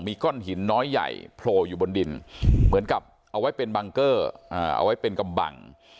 มีก้อนหินน้อยใหญ่โผล่อยู่บนดินเหมือนกับเอาไว้เป็นบังเกอร์เอาไว้เป็นกำบัง